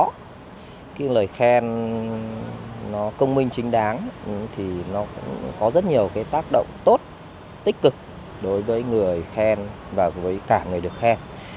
cái lời khen nó công minh chính đáng thì nó có rất nhiều cái tác động tốt tích cực đối với người khen và với cả người được khen